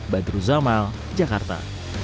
badru zamal jakarta